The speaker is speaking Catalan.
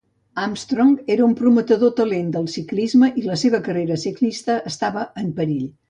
Armstrong era un prometedor talent del ciclisme i la seva carrera ciclista estava en perill.